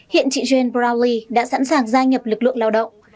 hiện chị jan browley đã sẵn sàng gia nhập lực lượng lao động